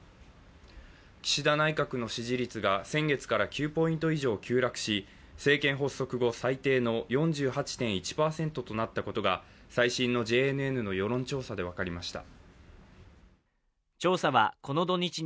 岸田内閣の支持率が先月から９ポイント以上急落し政権発足後最低の４８．１％となったことが最新のＪＮＮの世論調査で分かりました。